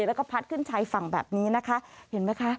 แล้วก็พัดขึ้นชายฝั่งแบบนี้นะคะเห็นไหมคะ